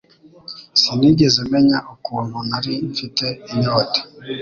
Sinigeze menya ukuntu nari mfite inyota